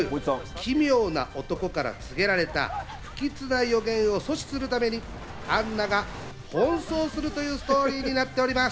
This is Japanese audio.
奇妙な男から告げられた不吉な予言を阻止するためにアンナが、奔走するというストーリーになっております。